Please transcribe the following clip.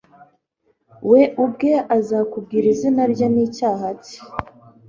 We ubwe azakubwira izina rye n'icyaha cye